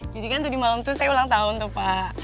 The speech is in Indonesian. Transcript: jadi kan tuh di malem tuh saya ulang tahun tuh pak